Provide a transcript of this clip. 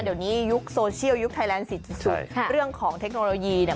เดี๋ยวนี้ยุคโซเชียลยุคไทยแลนดสิทธิ์สุดเรื่องของเทคโนโลยีเนี่ย